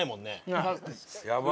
やばい。